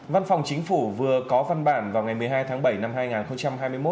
văn phòng chính phủ vừa có văn bản vào ngày một mươi hai tháng bảy năm hai nghìn hai mươi một